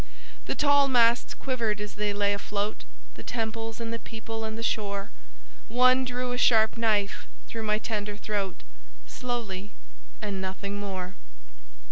"The tall masts quivered as they lay afloat, The temples and the people and the shore; One drew a sharp knife through my tender throat Slowly, and nothing more."